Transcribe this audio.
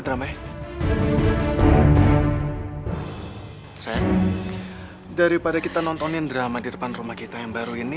dramai daripada kita nontonin drama di depan rumah kita yang baru ini